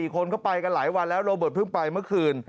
คนก็ไปกันหลายวันแล้วโรเบิร์ตเพิ่งไปเมื่อคืน